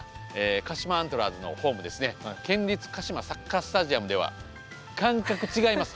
鹿島アントラーズのホームですね県立カシマサッカースタジアムでは感覚違います。